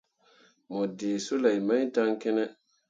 Mo ɗǝǝ soulei mai dan kǝne.